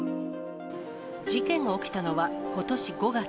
事件が起きたのは、ことし５月。